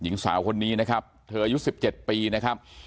หญิงสาวคนนี้นะครับเธออายุ๑๗ปีนะครับ